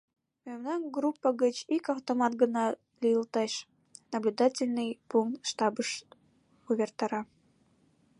Мемнан группа гыч ик автомат гына лӱйылтеш...» — наблюдательный пункт штабыш увертара.